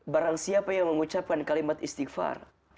barang siapa yang mengucapkan kalimat istighfar